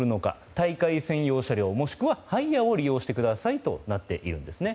大会専用車両もしくはハイヤーを利用してくださいとなっているんですね。